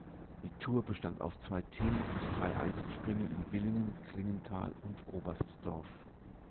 Die Tour bestand aus zwei Team- und drei Einzelspringen in Willingen, Klingenthal und Oberstdorf.